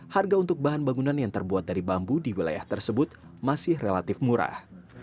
harga untuk bahan bangunan yang terbuat dari bambu di wilayah tersebut masih relatif murah